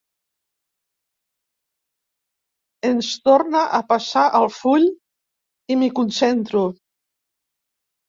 Ens torna a passar el full i m'hi concentro.